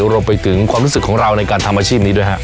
รวมไปถึงความรู้สึกของเราในการทำอาชีพนี้ด้วยครับ